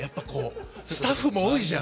スタッフも多いじゃん。